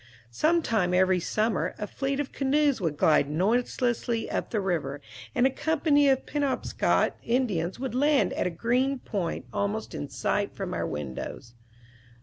Some time every summer a fleet of canoes would glide noiselessly up the river, and a company of Penobscot Indians would land at a green point almost in sight from our windows.